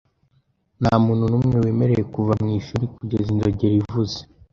Ntamuntu numwe wemerewe kuva mwishuri kugeza inzogera ivuze .